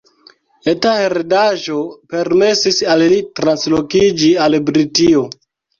Eta heredaĵo permesis al li translokiĝi al Britio.